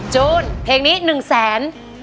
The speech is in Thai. จูนเพลงนี้หนึ่งแสน